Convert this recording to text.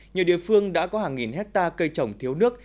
nhiều địa phương đã có hàng nghìn hectare cây trồng thiếu nước